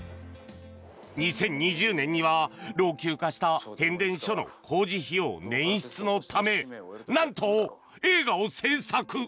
２０２０年には老朽化した変電所の工事費用捻出のため何と映画を制作。